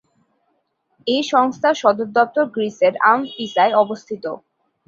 এই সংস্থার সদর দপ্তর গ্রিসের আমফিসায় অবস্থিত।